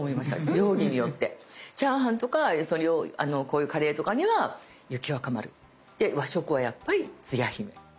料理によってチャーハンとかこういうカレーとかには雪若丸。で和食はやっぱりつや姫。